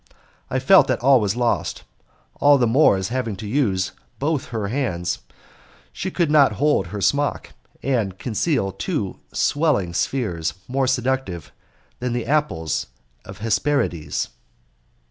I felt that all was lost, all the more as having to use both her hands she could not hold her smock and conceal two swelling spheres more seductive than the apples of the Hesperides.